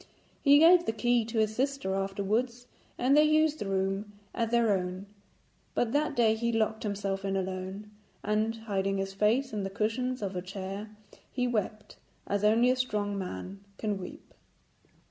He gave the key to his sister afterwards, and they used the room as their own; but that day he locked himself in alone, and, hiding his face in the cushions of her chair, he wept as only a strong man can weep.